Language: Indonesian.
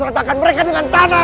aku harus ratakan mereka dengan tanah